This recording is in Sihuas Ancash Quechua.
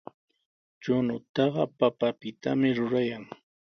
Chuñutaqa papapitami rurayan.